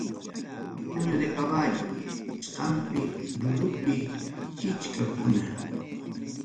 Castaña de caballo nisqapim rurupi kichkakuna.